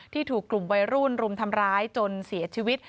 ถูกกลุ่มวัยรุ่นรุมทำร้ายจนเสียชีวิต